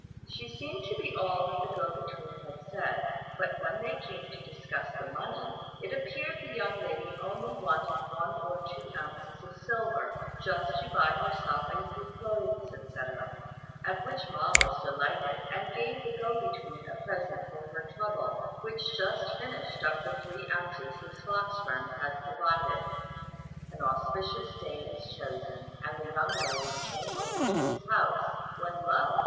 She seemed to be all that the go between had said; but when they came to discuss the money, it appeared the young lady only wanted one or two ounces of silver, just to buy herself a few clothes, etc., at which Ma was delighted, and gave the go between a present for her trouble, which just finished up the three ounces his fox friend had provided. An auspicious day was chosen, and the young lady came over to his house; when lo!